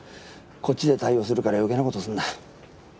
こっちで対応するから余計なことするな。